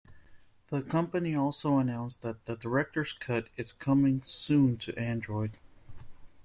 The company also announced that "The Director's Cut" is coming soon to Android.